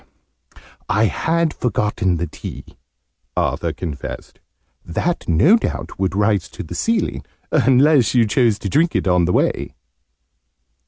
"I had forgotten the tea," Arthur confessed. "That, no doubt, would rise to the ceiling unless you chose to drink it on the way!"